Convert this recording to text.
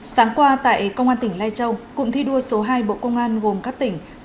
sáng qua tại công an tỉnh lai châu cụng thi đua số hai bộ công an gồm các tỉnh